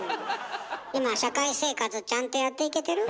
今社会生活ちゃんとやっていけてる？